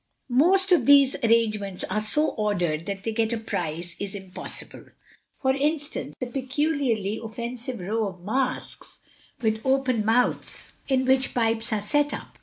Most of these arrangements are so ordered that to get a prize is impossible. For instance, a peculiarly offensive row of masks with open mouths in which pipes are set up.